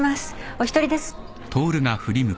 お一人です。